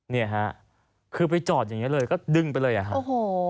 เนี่ยฮะคือไปจอดอย่างนี้เลยก็ดึงไปเลยอะครับโอ้โห